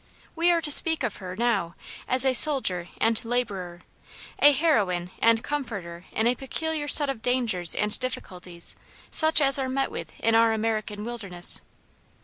We are to speak of her now as a soldier and laborer, a heroine and comforter in a peculiar set of dangers and difficulties such as are met with in our American wilderness.